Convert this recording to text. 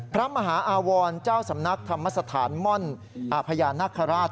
พระมหาอาวรเจ้าสำนักธรรมสถานม่อนพญานาคาราช